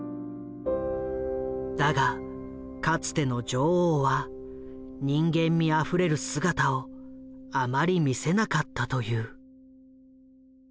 だがかつての女王は人間味あふれる姿をあまり見せなかったという。